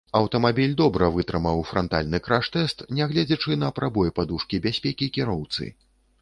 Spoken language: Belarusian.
Аўтамабіль добра вытрымаў франтальны краш-тэст, нягледзячы на прабой падушкі бяспекі кіроўцы.